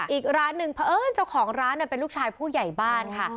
อีกร้านหนึ่งเพราะเอิญเจ้าของร้านเป็นลูกชายผู้ใหญ่บ้านค่ะ